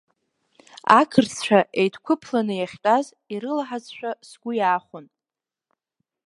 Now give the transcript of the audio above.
Ақырҭцәа еидгәыԥланы иахьтәаз ирылаҳазшәа сгәы иаахәон.